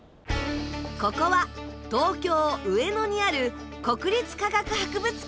ここは東京・上野にある国立科学博物館。